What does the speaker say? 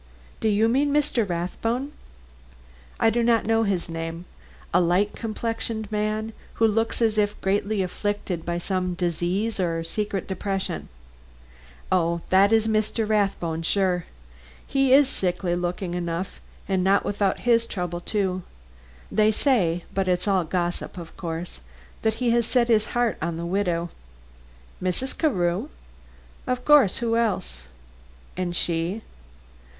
"Do you mean Mr. Rathbone?" "I do not know his name. A light complexioned man, who looks as if greatly afflicted by some disease or secret depression." "Oh, that is Mr. Rathbone, sure. He is sickly looking enough and not without his trouble, too. They say but it's all gossip, of course that he has set his heart on the widow." "Mrs. Carew?" "Of course, who else?" "And she?"